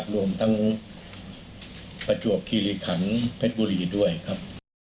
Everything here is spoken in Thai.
รวมทั้งประจวบคิริขันเพชรบุรีด้วยครับ